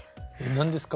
何ですか？